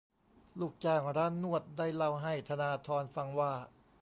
ลูกจ้างร้านนวดได้เล่าให้ธนาธรฟังว่า